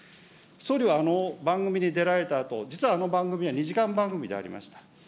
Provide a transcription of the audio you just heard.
総理はあの番組に出られたあと、実は、あの番組は２時間番組でありました。